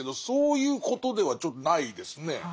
そういうことではちょっとないですね。